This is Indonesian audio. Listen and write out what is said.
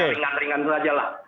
apa namanya ringan ringan saja lah